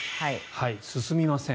進みません。